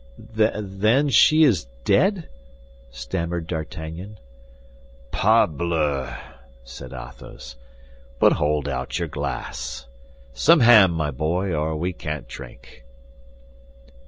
"Then she is dead?" stammered D'Artagnan. "Parbleu!" said Athos. "But hold out your glass. Some ham, my boy, or we can't drink."